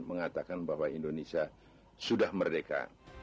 mengatakan bahwa indonesia sudah merdeka